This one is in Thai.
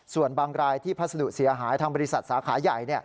ส่วนบางรายที่พัสดุเสียหายทางบริษัทสาขาใหญ่